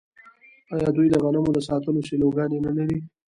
آیا دوی د غنمو د ساتلو سیلوګانې نلري؟